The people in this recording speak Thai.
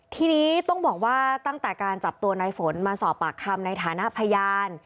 ทีนี้ต้องบอกว่าตั้งแต่การจับตัวในฝนมาสอบปากคำในฐานะพยาน